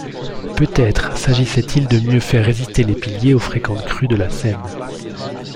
Peut-être s'agissait-il de mieux faire résister les piliers aux fréquentes crues de la Seine.